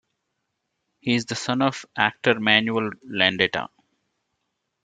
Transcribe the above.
He is the son of actor Manuel Landeta.